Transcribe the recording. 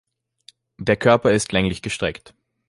Der Körper ist länglich gestreckt.